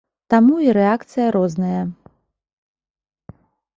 Таму і рэакцыя розная.